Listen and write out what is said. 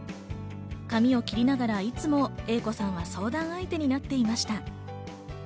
髪を切りながらいつも英子さんは相談相手になっていました。